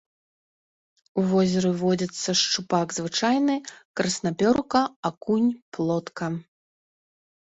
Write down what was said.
У возеры водзяцца шчупак звычайны, краснапёрка, акунь, плотка.